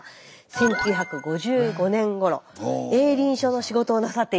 １９５５年ごろ営林署の仕事をなさっていた頃です。